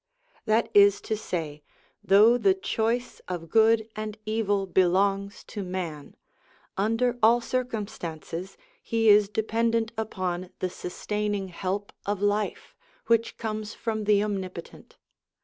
That is to say, though the choice of good and evil belongs to man, under all circumstances he is depen dent upon the sustaining help of life, which comes from the Omnipotent.